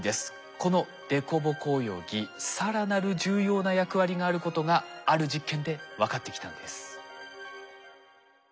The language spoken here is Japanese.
この凸凹泳ぎ更なる重要な役割があることがある実験で分かってきたんです。